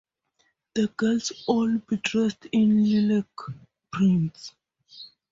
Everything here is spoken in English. The girls must all be dressed in lilac prints.